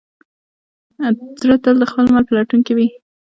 زړه تل د خپل مل په لټون کې وي.